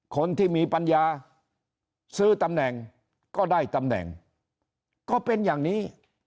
คนที่มีปัญญาซื้อตำแหน่งก็ได้ตำแหน่งก็เป็นอย่างนี้